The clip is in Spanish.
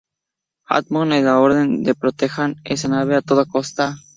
Hammond da la orden de "protejan esa nave a toda costa".